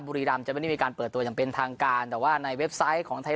บุรีรำจะไม่ได้มีการเปิดตัวอย่างเป็นทางการแต่ว่าในเว็บไซต์ของไทย